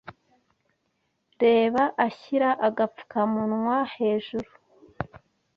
Reba ashyira agapfukamunwa hejuru